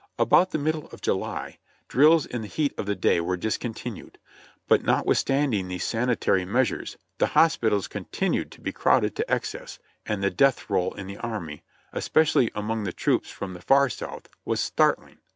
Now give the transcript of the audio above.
About the middle of July, drills in the heat of the day were discontinued, but notwithstanding these sanitary measures the hospitals continued to be crowded to excess and the death roll in the army, especially among the troops from the far South, was startling.